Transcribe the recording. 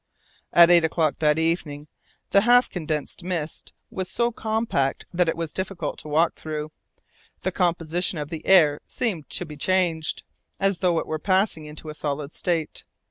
At eight o'clock that evening the half condensed mist was so compact that it was difficult to walk through it. The composition of the air seemed to be changed, as though it were passing into a solid state.